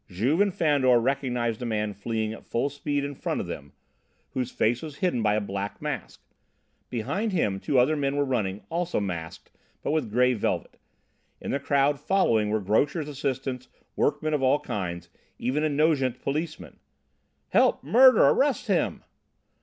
Juve and Fandor recognised a man fleeing at full speed in front of them, whose face was hidden by a black mask! Behind him two other men were running, also masked, but with grey velvet. In the crowd following were grocers' assistants, workmen of all kinds, even a Nogent policeman. "Help! Murder! Arrest him!"